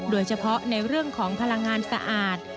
โดยเฉพาะในเรื่องของพลังงานสะอาด